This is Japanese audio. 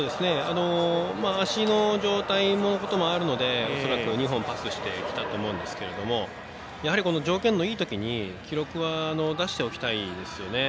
足の状態のこともあるので恐らく２本パスしてきたと思うんですけれども条件のいいときに記録は出しておきたいですよね。